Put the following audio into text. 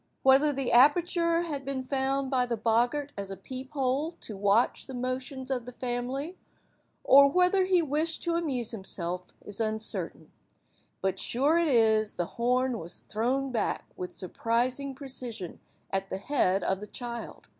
Whether the aperture had been found by the boggart as a peep–hole to watch the motions of the family, or whether he wished to amuse himself, is uncertain, but sure it is the horn was thrown back with surprising precision at the head of the child.